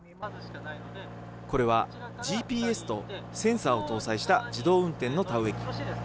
これはＧＰＳとセンサーを搭載した自動運転の田植え機。